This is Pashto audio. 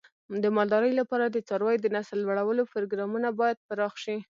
د مالدارۍ لپاره د څارویو د نسل لوړولو پروګرامونه باید پراخ شي.